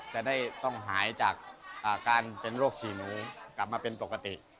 จะได้ต้องหายจากการเป็นโรคสี่หมูกลับมาเป็นปกติ